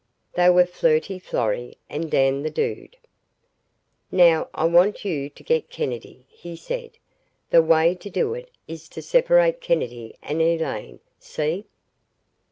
They were Flirty Florrie and Dan the Dude. "Now, I want you to get Kennedy," he said. "The way to do it is to separate Kennedy and Elaine see?"